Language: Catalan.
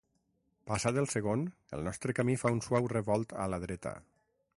Passat el segon, el nostre camí fa un suau revolt a la dreta.